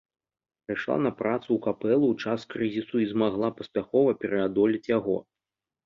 Прыйшла на працу ў капэлу ў час крызісу і змагла паспяхова пераадолець яго.